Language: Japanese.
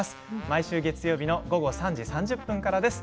毎週月曜日の午後３時３０分からです。